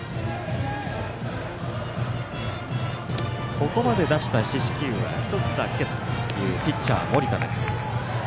ここまで出した四死球は１つだけというピッチャー、盛田です。